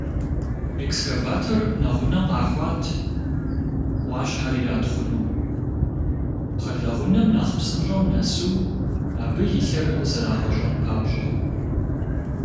Экскаватор нэгъунэ къахуат, Ӏуащхьэр иратхъуну, кхъэлэгъунэм нэхъ псынщӀэу нэсу абы илъыр зрагъэщӀэн папщӀэ.